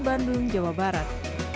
bandung jawa barat